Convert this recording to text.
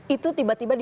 itu tiba tiba didatangi